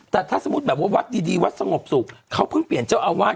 แต่ถ้าสมมุติแบบว่าวัดดีวัดสงบสุขเขาเพิ่งเปลี่ยนเจ้าอาวาส